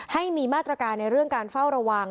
ให้มีมาตรการในเรื่องการเฝ้าระวัง